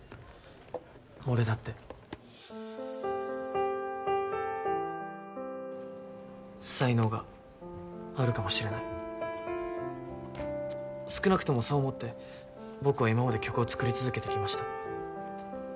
俺だって才能があるかもしれない少なくともそう思って僕は今まで曲を作り続けてきました